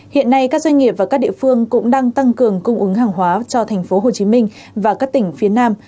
hiện nay các doanh nghiệp và các địa phương cũng đang tăng cường cung ứng hàng hóa cho tp hcm và các tỉnh phía nam